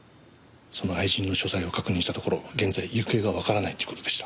その愛人の所在を確認したところ現在行方がわからないということでした。